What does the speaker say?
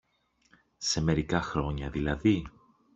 Σε μερικά χρόνια δηλαδή;